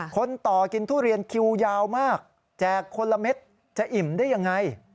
คนต่อกินทุเรียนคิวยาวมากแจกคนละเม็ดจะอิ่มได้ยังไง